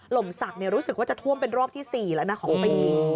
ลมศักดิ์รู้สึกว่าจะท่วมเป็นรอบที่๔แล้วนะของปี